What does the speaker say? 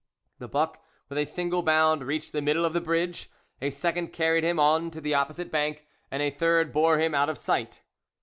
The buck, with a single bound, reached the middle of the bridge, a second carried him on to the opposite bank, and a third bore him out of sight.